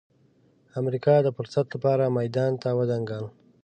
امریکا د فرصت لپاره میدان ته ودانګل.